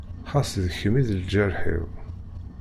Xas d kem i d lǧerḥ-iw.